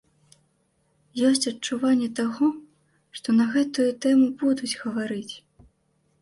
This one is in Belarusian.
Ёсць адчуванне таго, што на гэтую тэму будуць гаварыць.